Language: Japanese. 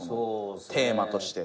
テーマとして。